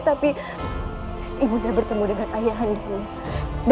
tapi ibu nda bertemu dengan ayah nda